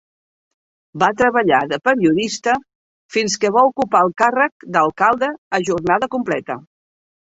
Va treballar de periodista fins que va ocupar el càrrec d'alcalde a jornada completa.